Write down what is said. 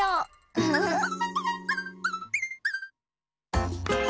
ウフフッ！